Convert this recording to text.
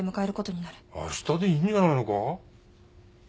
あしたでいいんじゃないのか？